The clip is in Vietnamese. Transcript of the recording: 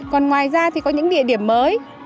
còn ngoài ra thì có những địa điểm mới